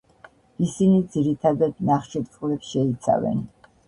ისინი ძირითადად ნახშირწყლებს შეიცავენ.